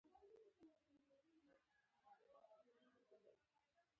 په طلایې، په مرمرین